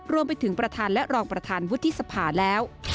รวมไปถึงประธานและรองประธานวุฒิสภาแล้ว